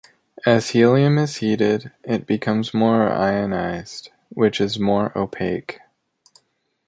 As helium is heated it becomes more ionised, which is more opaque.